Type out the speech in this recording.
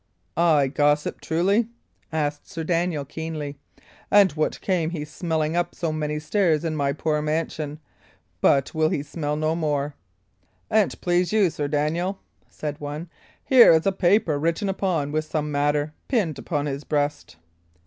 "Ay, gossip, truly?" asked Sir Daniel, keenly. "And what came he smelling up so many stairs in my poor mansion? But he will smell no more." "An't please you, Sir Daniel," said one, "here is a paper written upon with some matter, pinned upon his breast."